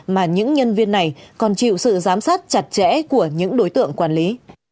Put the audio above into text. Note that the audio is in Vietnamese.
mà những nhân viên này còn chịu sự giám sát chặt chẽ của những đối tượng quản lý